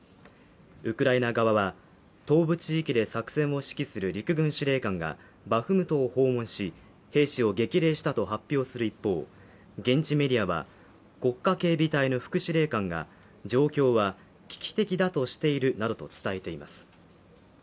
ウクライナ側は東部地域で作戦を指揮する陸軍司令官がバフムト訪問し兵士を激励したと発表する一方、現地メディアは、国家警備隊の副司令官が、状況は危機的だとしているなどと伝えています